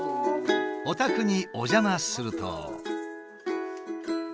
お宅にお邪魔すると。